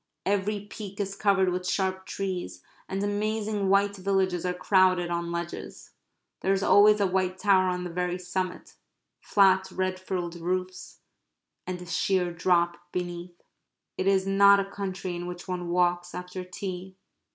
Every peak is covered with sharp trees, and amazing white villages are crowded on ledges. There is always a white tower on the very summit, flat red frilled roofs, and a sheer drop beneath. It is not a country in which one walks after tea.